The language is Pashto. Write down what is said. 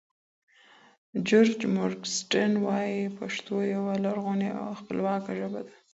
جورج مورګنسټرن وایې پښتو یوه لرغونې او خپلواکه ژبه ده.